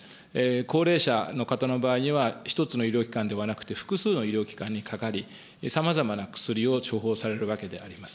高齢者の方の場合には１つの医療機関ではなくて、複数の医療機関にかかり、さまざまな薬を処方されるわけであります。